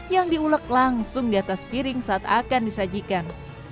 yang diulek langsung diatas piring saat akan disajikan